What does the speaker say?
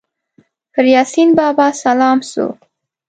پر یاسین بابا سلام سو